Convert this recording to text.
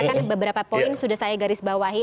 kan beberapa poin sudah saya garis bawahi